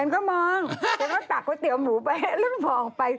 ฉันก็มอง